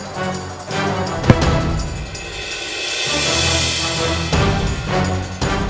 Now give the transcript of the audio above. kenapa ini kenapa ini masa dengan apa